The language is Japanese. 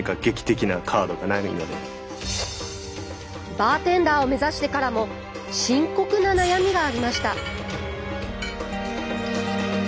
バーテンダーを目指してからも深刻な悩みがありました。